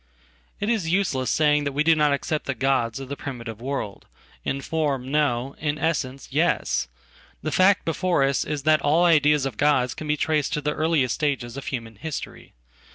It is useless saying that we do not accept the gods of theprimitive world. In form, no; in essence, yes. The fact before usis that all ideas of gods can be traced to the earliest stages ofhuman history.